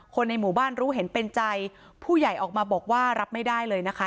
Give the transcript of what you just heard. ในหมู่บ้านรู้เห็นเป็นใจผู้ใหญ่ออกมาบอกว่ารับไม่ได้เลยนะคะ